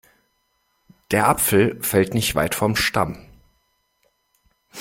Der Apfel fällt nicht weit vom Stamm.